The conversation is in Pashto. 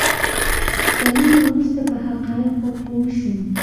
کلونه وروسته په حقایقو پوه شوم.